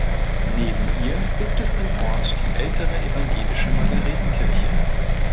Neben ihr gibt es im Ort die ältere evangelische Margaretenkirche.